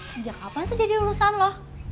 sejak kapan itu jadi urusan loh